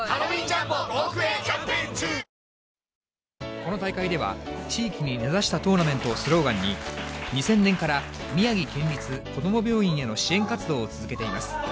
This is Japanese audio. この大会では、地域に根ざしたトーナメントをスローガンに、２０００年から、宮城県立こども病院への支援活動を続けています。